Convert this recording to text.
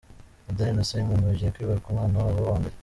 Adele na Simon bagiye kwibaruka umwana wabo wa mbere.